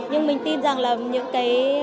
nhưng mình tin rằng là những cái